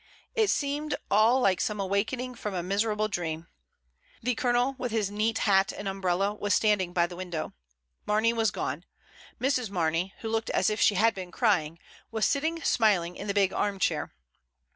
It seemed all like some awakening from a miserable dream. The Colonel, with his neat hat and umbrella, was standing by the window. Mamey was gone. Mrs. Marney, who looked as if she had been crying, was sitting smiling in the big arm chair.